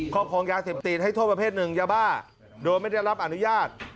ครอบครองยาเสพติดให้โทษประเภทหนึ่งยาบ้าโดยไม่ได้รับอนุญาต